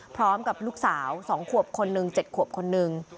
พร้อมกับลูกสาว๒ขวบคนหนึ่ง๗ขวบคนนึง